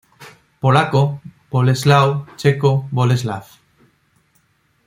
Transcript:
Polaco: Bolesław, checo: Boleslav.